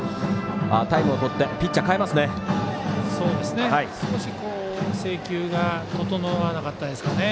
タイムをとってピッチャー代えますね。